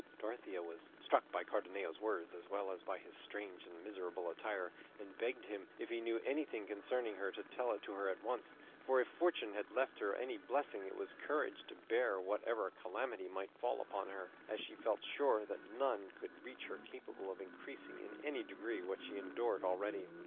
Dorothea was struck by Cardenio's words as well as by his strange and miserable attire, and begged him if he knew anything concerning her to tell it to her at once, for if fortune had left her any blessing it was courage to bear whatever calamity might fall upon her, as she felt sure that none could reach her capable of increasing in any degree what she endured already.